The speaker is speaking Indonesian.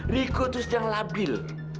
riku itu sedang labil